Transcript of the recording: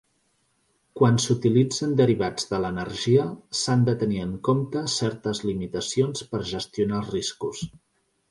Quan s'utilitzen derivats de l'energia, s'han de tenir en compte certes limitacions per gestionar els riscos.